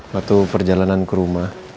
waktu perjalanan ke rumah